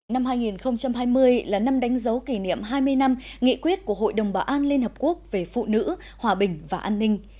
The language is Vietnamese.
năm hai nghìn hai mươi là năm đánh dấu kỷ niệm hai mươi năm nghị quyết của hội đồng bảo an liên hợp quốc về phụ nữ hòa bình và an ninh